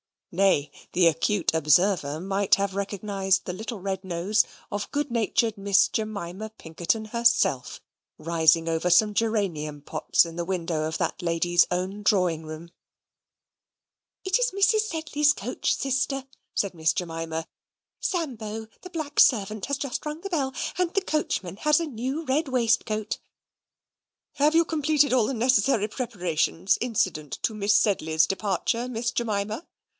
Nay, the acute observer might have recognized the little red nose of good natured Miss Jemima Pinkerton herself, rising over some geranium pots in the window of that lady's own drawing room. "It is Mrs. Sedley's coach, sister," said Miss Jemima. "Sambo, the black servant, has just rung the bell; and the coachman has a new red waistcoat." "Have you completed all the necessary preparations incident to Miss Sedley's departure, Miss Jemima?"